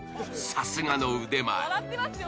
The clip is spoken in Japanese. さすがの腕前。